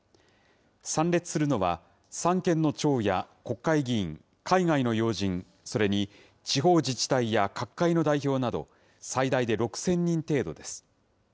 参列するのは、三権の長や国会議員、海外の要人、それに地方自治体や各界の代表など、最大で６０００人程度です。